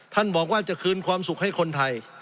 ท่านบอกว่าจะคืนความสุขให้คนไทย